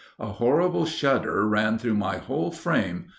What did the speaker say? A horrible shudder ran through my whole frame.